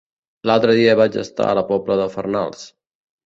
L'altre dia vaig estar a la Pobla de Farnals.